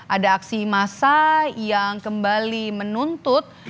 ada aksi massa yang kembali menuntut